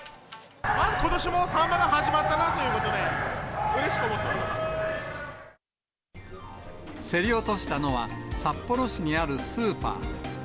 ことしもサンマが始まったなということで、競り落としたのは、札幌市にあるスーパー。